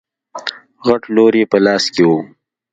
غټ لور يې په لاس کې و.